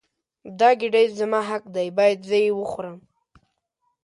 دا ګیډۍ زما حق دی باید زه یې وخورم.